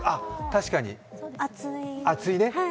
確かに、熱い、ね。